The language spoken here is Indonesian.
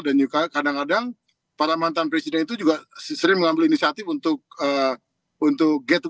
dan kadang kadang para mantan presiden itu juga sering mengambil inisiatif untuk get together